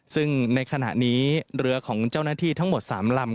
ซึ่งในขณะนี้เรือของเจ้าหน้าที่ทั้งหมด๓ลำ